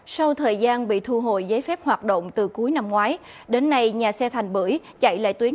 sau thời gian bị thu hồi giấy phép hoạt động từ cuối năm ngoái đến nay nhà xe thành bưởi chạy lại tuyến